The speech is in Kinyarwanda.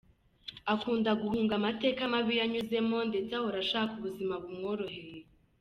Akunda guhunga amateka mabi yanyuzemo ndetse ahora ashaka ubuzima bumworoheye.